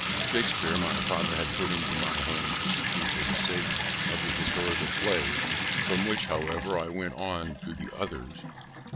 Shakspeare my father had put into my hands, chiefly for the sake of the historical plays, from which, however, I went on to the others.